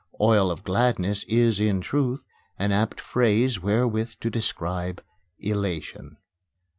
"Oil of gladness" is, in truth, an apt phrase wherewith to describe elation.